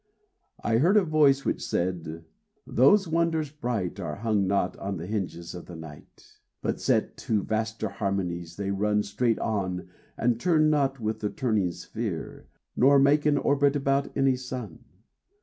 I heard a voice which said: "Those wonders bright Are hung not on the hinges of the night; But set to vaster harmonies, they run Straight on, and turn not with the turning sphere, Nor make an orbit about any sun.